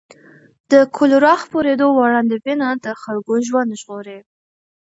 د کولرا خپرېدو وړاندوینه د خلکو ژوند ژغوري.